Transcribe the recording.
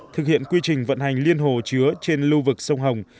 thực hiện quy trình vận hành liên hồ chứa trên lưu vực sông hồng